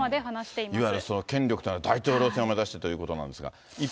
いわゆる権力というのは大統領選を目指してるということなんですが。